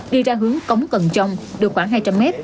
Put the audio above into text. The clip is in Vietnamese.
đi ra hướng cống cần trông được khoảng hai trăm linh mét